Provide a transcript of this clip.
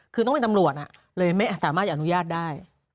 คือต้องเป็นตำรวจเลยไม่สามารถอนุญาตได้